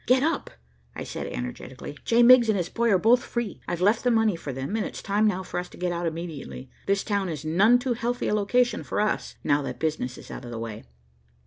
"Get up," I said energetically. "J. Miggs and his boy are both free; I've left the money for them, and it's time now for us to get out immediately. This town is none too healthy a location for us, now that business is out of the way."